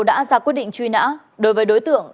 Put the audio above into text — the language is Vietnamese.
đã ra quyết định truy nã đối với đối tượng